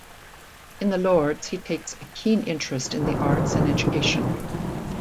In the Lords he takes a keen interest in the arts and education.